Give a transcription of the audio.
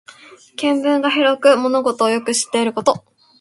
見聞が広く物事をよく知っていること。